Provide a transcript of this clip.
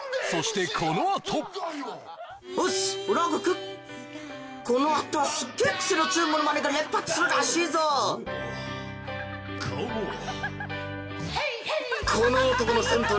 そしてこのあと顔も